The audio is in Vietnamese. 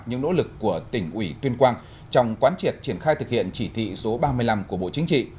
những nỗ lực của tỉnh ủy tuyên quang trong quán triệt triển khai thực hiện chỉ thị số ba mươi năm của bộ chính trị